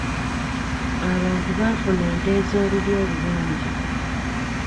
Abantu baafuna ente ez'olulyo olulungi.